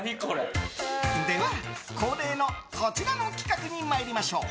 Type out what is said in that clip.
では、恒例のこちらの企画に参りましょう。